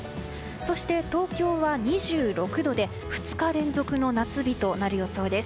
そして、東京は２６度で２日連続夏日となる予想です。